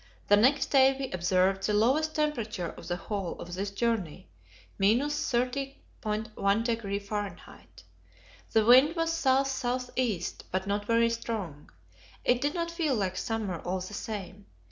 The next day we observed the lowest temperature of the whole of this journey: 30.1° F The wind was south south east, but not very strong. It did not feel like summer, all the same.